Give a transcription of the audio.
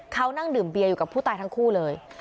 เขานั่งดื่มเบียอยู่กับผู้ตายทั้งคู่เลย